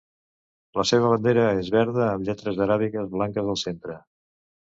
La seva bandera és verda amb lletres aràbigues blanques al centre.